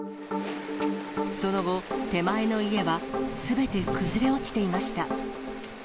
その後、手前の家はすべて崩れ落ちていました。